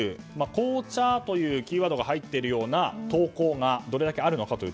紅茶というキーワードが入ってるような投稿がどれだけあるのか。